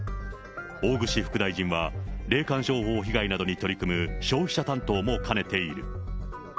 大串副大臣は霊感商法被害などに取り組む消費者担当も兼ねている。